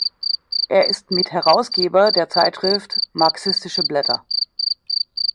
Er ist Mitherausgeber der Zeitschrift "Marxistische Blätter.